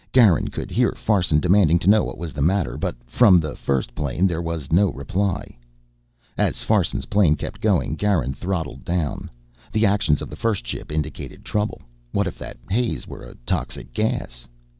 Garin could hear Farson demanding to know what was the matter. But from the first plane there was no reply. As Farson's plane kept going Garin throttled down. The actions of the first ship indicated trouble. What if that haze were a toxic gas?